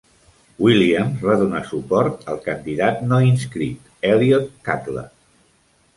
Williams va donar suport al candidat no inscrit Eliot Cutler.